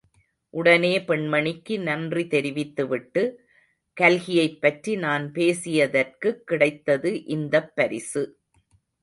உடனே பெண்மணிக்கு நன்றி தெரிவித்து விட்டு, கல்கியைப் பற்றி நான் பேசியதற்குக் கிடைத்தது இந்தப் பரிசு.